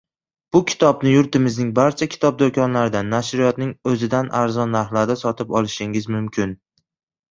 Bu kitobni yurtimizning barcha kitob doʻkonlaridan, nashriyotining oʻzidan arzon narxlarda sotib olishingiz mumkin.